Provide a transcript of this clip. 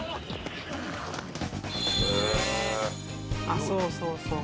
あっそうそうそう。